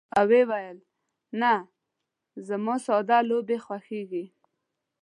سر يې وښوراوه او وې ویل: نه، زما ساده لوبې خوښېږي.